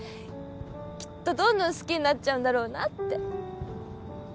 きっとどんどん好きになっちゃうんだろうなって